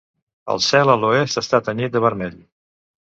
El cel a l'oest està tenyit de vermell.